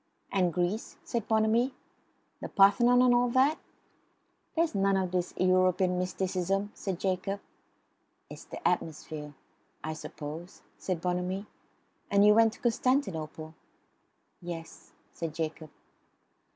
"And Greece?" said Bonamy. "The Parthenon and all that?" "There's none of this European mysticism," said Jacob. "It's the atmosphere. I suppose," said Bonamy. "And you went to Constantinople?" "Yes," said Jacob.